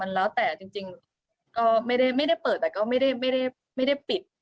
แล้วแต่จริงก็ไม่ได้เปิดแต่ก็ไม่ได้ปิด